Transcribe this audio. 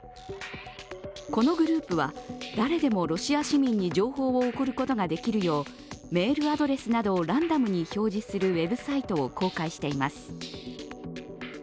このグループは誰でもロシア市民に情報を送ることができるようメールアドレスなどをランダムに表示するウェブサイトを公開しています。